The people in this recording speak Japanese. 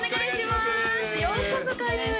ようこそ開運へ！